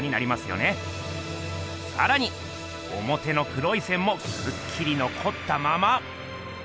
さらにおもての黒い線もくっきりのこったまま。